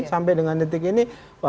sampai dengan detik ini